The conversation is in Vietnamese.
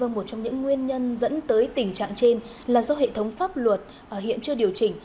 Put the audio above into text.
một trong những nguyên nhân dẫn tới tình trạng trên là do hệ thống pháp luật hiện chưa điều chỉnh